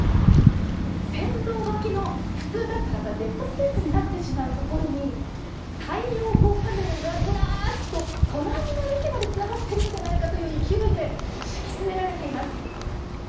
線路脇の、普通だったらばデッドスペースになってしまうところに太陽光パネルがずらっと隣の駅までつながっているんじゃないかという勢いで敷き詰められています。